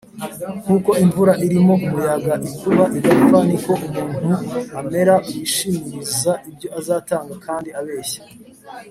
nk’uko imvura irimo umuyaga ikuba igapfa, ni ko uwo muntu amera wishimiriza ibyo azatanga kandi abeshya